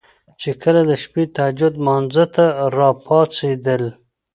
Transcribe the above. چې کله د شپې تهجد لمانځه ته را پاڅيدل